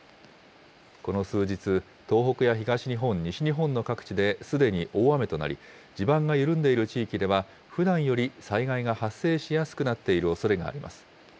この数日、東北や東日本、西日本の各地ですでに大雨となり、地盤が緩んでいる地域では、ふだんより災害が発生しやすくなっているおそれがあります。